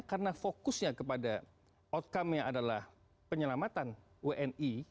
karena fokusnya kepada outcome yang adalah penyelamatan wni